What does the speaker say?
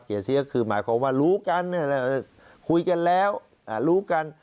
เสียเสียคือหมายความว่ารู้กันคุยกันแล้วรู้กัน